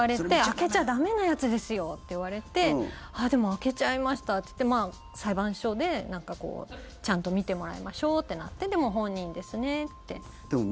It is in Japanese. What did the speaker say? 開けちゃ駄目なやつですよ！って言われてでも開けちゃいましたって言って裁判所でちゃんと見てもらいましょうってなって、でも本人ですねって。